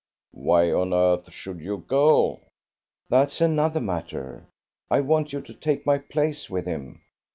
"Why on earth should you go?" "That's another matter. I want you to take my place with him."